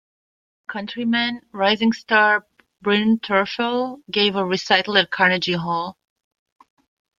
Her fellow-countryman, rising star Bryn Terfel, gave a recital at Carnegie Hall.